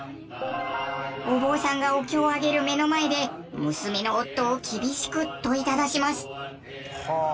お坊さんがお経を上げる目の前で娘の夫を厳しく問いただします。はあ。